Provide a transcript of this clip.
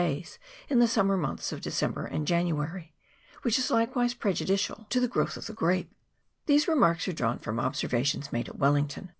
181 days in the summer months of December and Janu ary, which is likewise prejudicial to the growth of the grape. These remarks are drawn from observa tions made at Wellington.